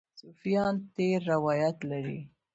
صوفیان تېر روایت لري.